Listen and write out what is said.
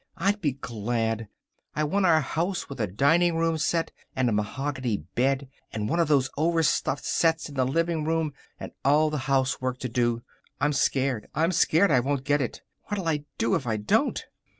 I'd be glad. I want our house, with a dining room set, and a mahogany bed, and one of those overstuffed sets in the living room, and all the housework to do. I'm scared. I'm scared I won't get it. What'll I do if I don't?"